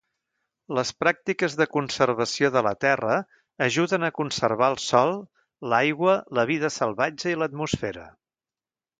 Les pràctiques de conservació de la terra ajuden a conservar el sòl, l'aigua, la vida salvatge i l'atmosfera.